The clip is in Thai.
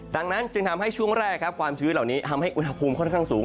ดังนั้นจึงทำให้ช่วงแรกครับความชื้นเหล่านี้ทำให้อุณหภูมิค่อนข้างสูง